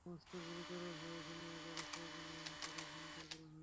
অবস্থা গুরুতর হওয়ায় শনিবার তাকে সিরাজগঞ্জ জেনারেল হাসপাতালে স্থানান্তর করা হয়।